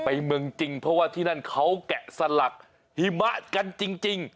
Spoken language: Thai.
เมืองจริงเพราะว่าที่นั่นเขาแกะสลักหิมะกันจริง